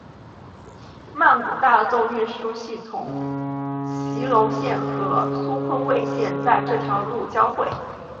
曼谷大众运输系统席隆线和苏坤蔚线在这条路交会。